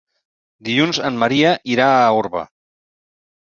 Dilluns en Maria irà a Orba.